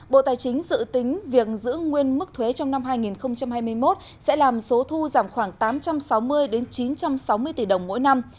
bộ tài chính dự tính việc giữ nguyên mức thuế trong năm hai nghìn hai mươi một sẽ làm số thu giảm khoảng tám trăm sáu mươi chín trăm sáu mươi tỷ đồng mỗi năm